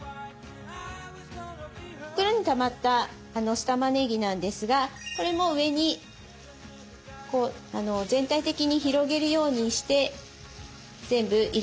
袋にたまった酢たまねぎなんですがこれも上に全体的に広げるようにして全部入れちゃってください。